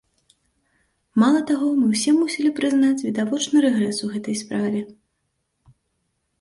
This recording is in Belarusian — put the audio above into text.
Мала таго, мы ўсе мусілі прызнаць відавочны рэгрэс у гэтай справе.